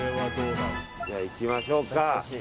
じゃあ、いきましょうか。